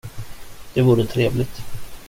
Det vore trevligt.